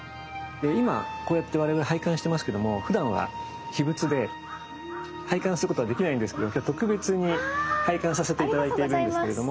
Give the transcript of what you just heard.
今こうやって我々拝観してますけどもふだんは秘仏で拝観することはできないんですけど今日は特別に拝観させて頂いているんですけれども。